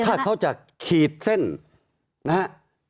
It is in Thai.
ถ้าเขาจะขีดเส้นนะฮะ